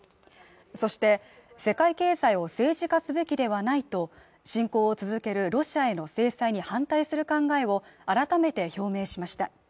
そして、世界経済を政治化すべきではないと侵攻を続けるロシアへの制裁に反対する考えを改めて表明しました。